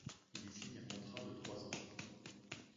Il y signe un contrat de trois ans.